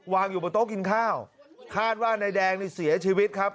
อยู่บนโต๊ะกินข้าวคาดว่านายแดงนี่เสียชีวิตครับ